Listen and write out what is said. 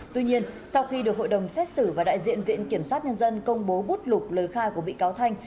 tuy nhiên sau khi được hội đồng xét xử và đại diện viện kiểm sát nhân dân công bố bút lục lời khai của bị cáo thanh